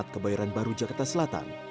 kebairan baru jeta selatan